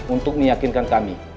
untuk meyakinkan kami